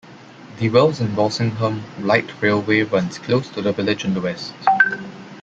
The Wells and Walsingham Light Railway runs close to the village on the west.